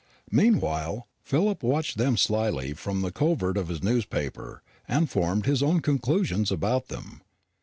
Meanwhile Philip watched them slyly from the covert of his newspaper, and formed his own conclusions about them.